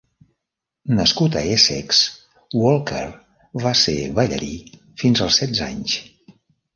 Nascut a Essex, Walker va ser ballarí fins als setze anys.